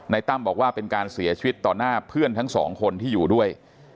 ตั้มบอกว่าเป็นการเสียชีวิตต่อหน้าเพื่อนทั้งสองคนที่อยู่ด้วย